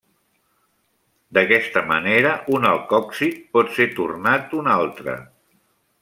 D'aquesta manera un alcòxid pot ser tornat un altre.